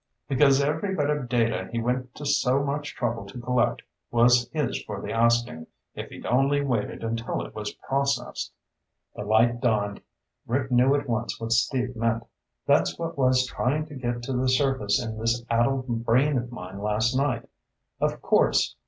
"Because every bit of data he went to so much trouble to collect was his for the asking, if he'd only waited until it was processed." The light dawned. Rick knew at once what Steve meant. "That's what was trying to get to the surface in this addled brain of mine last night. Of course!